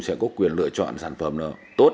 sẽ có quyền lựa chọn sản phẩm nó tốt